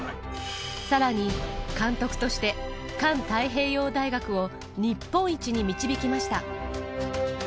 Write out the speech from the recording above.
さらに監督として環太平洋大学を日本一に導きました。